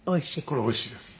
これおいしいです。